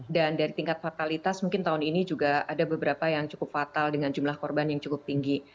dari tingkat fatalitas mungkin tahun ini juga ada beberapa yang cukup fatal dengan jumlah korban yang cukup tinggi